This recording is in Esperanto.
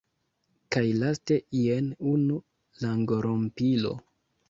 Kaj laste, jen unu langorompilo: